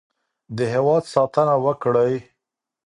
د هېواد ساتنه وکړئ.